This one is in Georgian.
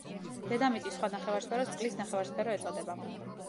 დედამიწის სხვა ნახევარსფეროს წყლის ნახევარსფერო ეწოდება.